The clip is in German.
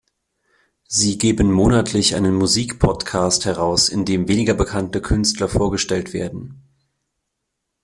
Sie geben monatlich einen Musik-Podcast heraus, in dem weniger bekannte Künstler vorgestellt werden.